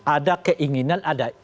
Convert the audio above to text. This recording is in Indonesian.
ada keinginan ada